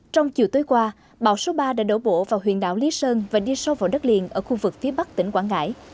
trong chiều tối qua bão số ba đã đổ bộ vào huyện đảo lý sơn và đi sâu vào đất liền ở khu vực phía bắc tỉnh quảng ngãi